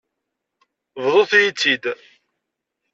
Bḍut-iyi-tt-id.